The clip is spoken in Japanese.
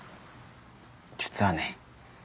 実はね。